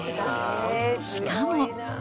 しかも。